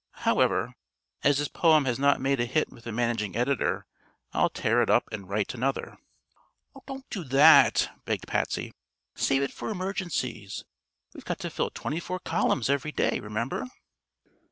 However, as this poem has not made a hit with the managing editor, I'll tear it up and write another." "Don't do that," begged Patsy. "Save it for emergencies. We've got to fill twenty four columns every day, remember!"